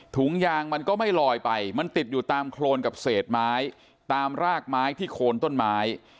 ถุงยางมันก็ไม่ลอยไปมันติดอยู่ตามโครนกับเศษไม้ตามรากไม้ที่โคนต้นไม้